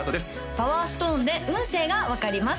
パワーストーンで運勢が分かります